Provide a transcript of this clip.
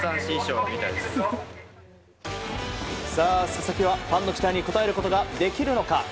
佐々木はファンの期待に応えることができるのか。